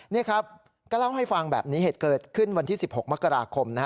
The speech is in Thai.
นี่ครับก็เล่าให้ฟังแบบนี้เหตุเกิดขึ้นวันที่๑๖มกราคมนะฮะ